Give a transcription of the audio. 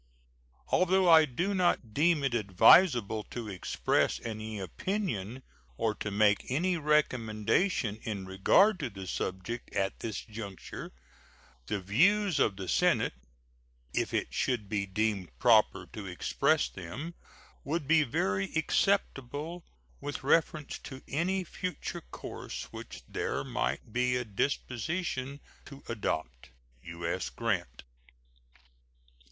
Although I do not deem it advisable to express any opinion or to make any recommendation in regard to the subject at this juncture, the views of the Senate, if it should be deemed proper to express them, would be very acceptable with reference to any future course which there might be a disposition to adopt. U.S. GRANT.